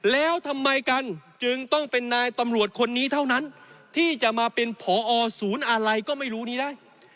แล้วทำไมกันจึงต้องเป็นนายตำรวจคนนี้เท่านั้นที่จะมาเป็นผอศูนย์อะไรก็ไม่รู้นี้ได้